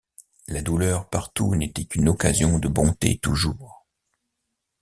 La douleur partout n’était qu’une occasion de bonté toujours.